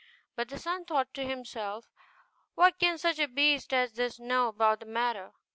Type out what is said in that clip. But the son thought to himself, 'What can such a beast as this know about the matter?